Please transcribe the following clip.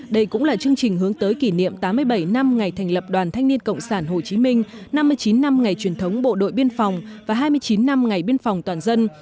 đây cũng là chương trình hướng tới kỷ niệm tám mươi bảy năm ngày thành lập đoàn thanh niên cộng sản hồ chí minh năm mươi chín năm ngày truyền thống bộ đội biên phòng và hai mươi chín năm ngày biên phòng toàn dân